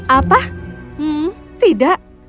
apa hmm tidak